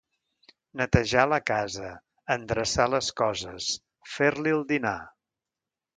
Netejar la casa, endreçar les coses, fer-li el dinar...